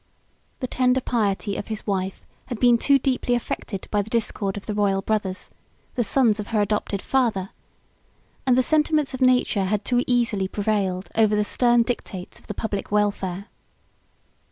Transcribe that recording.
The tender piety of his wife had been too deeply affected by the discord of the royal brothers, the sons of her adopted father; and the sentiments of nature had too easily prevailed over the stern dictates of the public welfare."